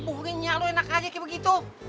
kebohongannya lo enak aja kaya begitu